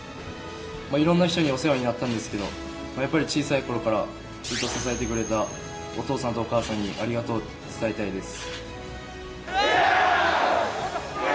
いろんな人にお世話になったんですけど、小さいころからずっと支えてくれたお父さんとお母さんに、ありがとうと伝えたいです。